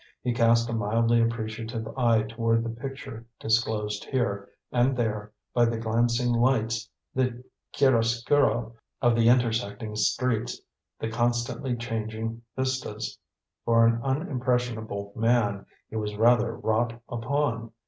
He cast a mildly appreciative eye toward the picture disclosed here and there by the glancing lights, the chiaroscuro of the intersecting streets, the constantly changing vistas. For an unimpressionable man, he was rather wrought upon.